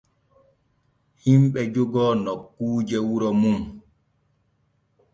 Himɓe jogoo nokkuuje wuro mum.